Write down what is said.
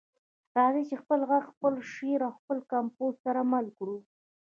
راځئ چې خپل غږ، خپل شعر او خپل کمپوز سره مل کړو.